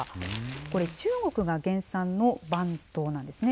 これ、中国が原産の蟠桃なんですね。